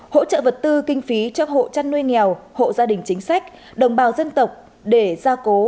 hỗ trợ vật tư kinh phí cho hộ chăn nuôi nghèo hộ gia đình chính sách đồng bào dân tộc để gia cố